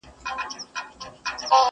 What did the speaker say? تر قدمه يې په زر ځله قربان سول!.